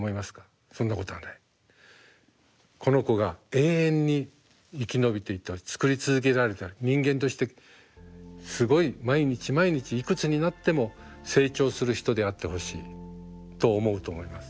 この子が永遠に生き延びていって作り続けられたら人間としてすごい毎日毎日いくつになっても成長する人であってほしいと思うと思います。